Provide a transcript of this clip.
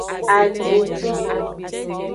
Adintolo.